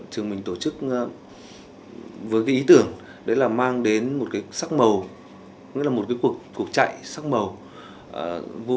tuổi trẻ là các cháu